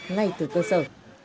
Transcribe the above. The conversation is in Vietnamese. ngay từ cơ sở